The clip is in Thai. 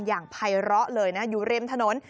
อย่างภัยเลาะเลยนะอยู่ริมถนน